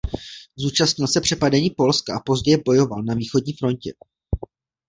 Zúčastnil se přepadení Polska a později bojoval na východní frontě.